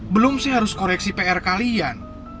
belum sih harus koreksi pr kalian